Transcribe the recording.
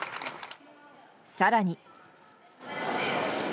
更に。